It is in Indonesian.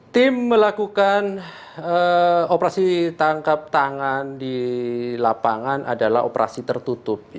tim melakukan operasi tangkap tangan di lapangan adalah operasi tertutup